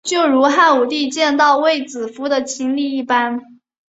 就如汉武帝见到卫子夫的经历一般。